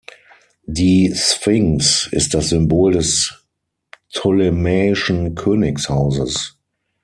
Die Sphinx ist das Symbol des ptolemäischen Königshauses.